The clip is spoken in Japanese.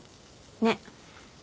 ねっ。